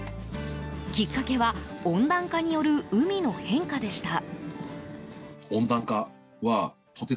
きっかけは温暖化による海の変化でした。